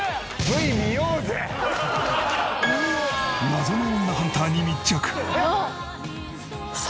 謎の女ハンターに密着。